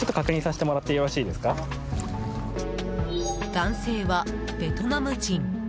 男性はベトナム人。